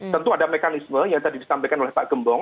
tentu ada mekanisme yang tadi disampaikan oleh pak gembong